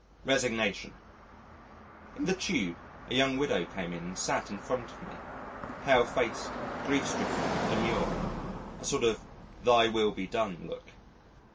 Resignation In the Tube, a young widow came in and sat in front of me pale faced, grief stricken, demure a sort of "Thy Will be Done" look.